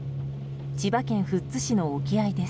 千葉県富津市の沖合です。